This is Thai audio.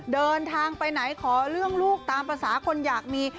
เดินทางไปไหนขอเรื่องลูกตามภาษาคนอยากมี